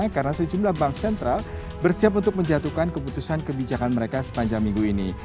karena sejumlah bank sentral bersiap untuk menjatuhkan keputusan kebijakan mereka sepanjang minggu ini